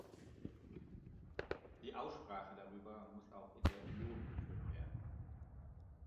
Die Aussprache darüber muss auch in der Union geführt werden.